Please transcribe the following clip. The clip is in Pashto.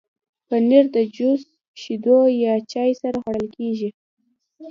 پنېر د جوس، شیدو یا چای سره خوړل کېږي.